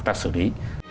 ta xử lý